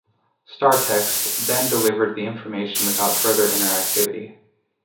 StarText then delivered the information without further interactivity.